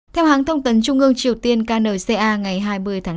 theo hãng thông tấn trung ương triều tiên knca ngày hai mươi tháng chín